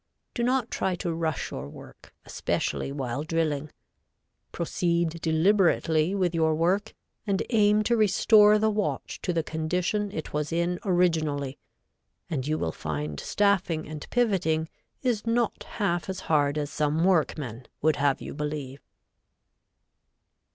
Do not try to rush your work, especially while drilling. Proceed deliberately with your work and aim to restore the watch to the condition it was in originally, and you will find staffing and pivoting is not half as hard as some workmen would have you believe.